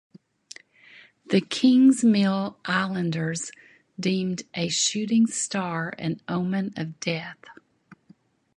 The Kingsmill Islanders deemed a shooting star an omen of death.